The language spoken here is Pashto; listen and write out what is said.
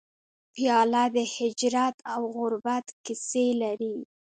پیاله د هجرت او غربت کیسې لري.